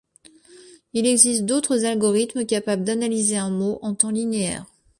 Il existe d'autres algorithmes capable d'analyser un mot en temps linéaire.